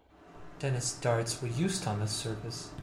Dennis Darts were used on this service.